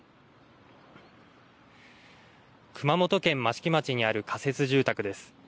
熊本県益城町にある仮設住宅です。